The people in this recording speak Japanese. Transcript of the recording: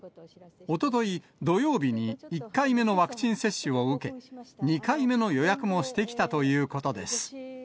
おととい、土曜日に１回目のワクチン接種を受け、２回目の予約もしてきたということです。